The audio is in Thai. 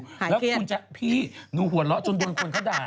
หายเครียดแล้วคุณจะพี่หนูหัวเราะจนโดนคนเขาด่า